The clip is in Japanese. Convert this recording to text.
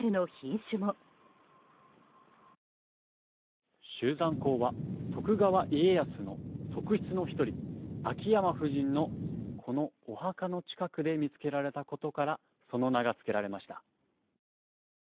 秋山紅は、徳川家康の側室の１人、秋山夫人のこのお墓の近くで見つけられたことからその名が付けられました。